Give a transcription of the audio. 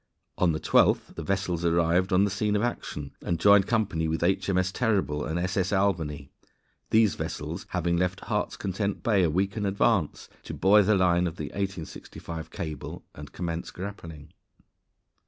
On the 12th the vessels arrived on the scene of action, and joined company with H.M.S. Terrible and S.S. Albany, these vessels having left Heart's Content Bay a week in advance to buoy the line of the 1865 cable and commence grappling.